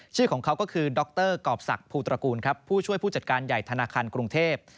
ชื่อของเขาก็คือดรกรอบศักดิภูตระกูลครับผู้ช่วยผู้จัดการใหญ่ธนาคารกรุงเทพ